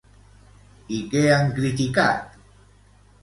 I què han criticat?